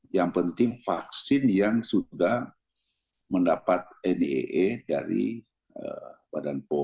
yang penting vaksin yang sudah mendapat nee dari penyelenggara